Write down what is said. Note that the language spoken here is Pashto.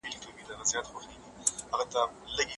که روغبړ وکړو نو مینه نه کمیږي.